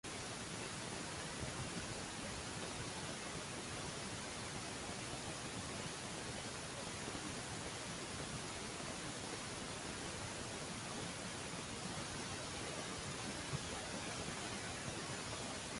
Incluso un reloj parado acierta dos veces al día